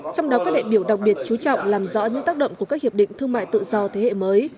trong đó các đại biểu đặc biệt chú trọng làm rõ những tác động của các hiệp định thương mại tự do thế hệ mới